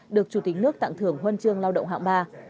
được chủ tịch nước tặng thưởng huân chương lao động hạng ba